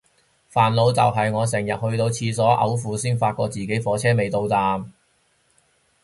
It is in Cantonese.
煩惱就係我成日去到廁所摳褲先發覺自己火車未到站